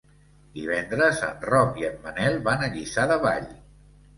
Divendres en Roc i en Manel van a Lliçà de Vall.